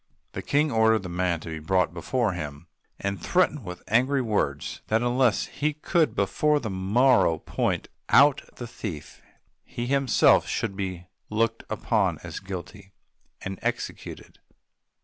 The King ordered the man to be brought before him, and threatened with angry words that unless he could before the morrow point out the thief, he himself should be looked upon as guilty and executed.